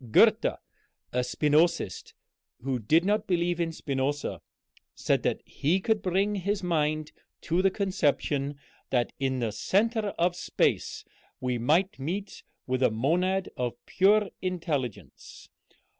Goethe, a Spinozist who did not believe in Spinoza, said that he could bring his mind to the conception that in the centre of space we might meet with a monad of pure intelligence.